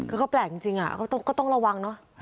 อืมก็แปลกจริงอ่ะก็ต้องระวังเนอะ